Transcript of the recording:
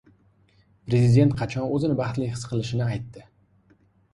Prezident qachon o‘zini baxtli his qilishini aytdi